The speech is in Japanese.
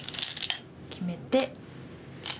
決めて。